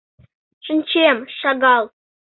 — Шинчем, шагал...